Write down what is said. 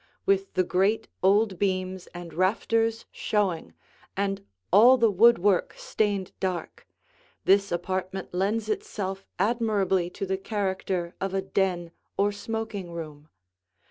With the great old beams and rafters showing, and all the woodwork stained dark, this apartment lends itself admirably to the character of a den or smoking room.